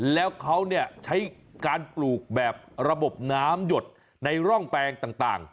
แล้วเขาใช้การปลูกแบบระบบน้ำหยดในร่องแปลงต่าง